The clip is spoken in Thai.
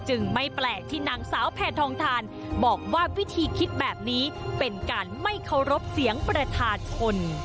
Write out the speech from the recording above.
ไม่แปลกที่นางสาวแพทองทานบอกว่าวิธีคิดแบบนี้เป็นการไม่เคารพเสียงประธานคน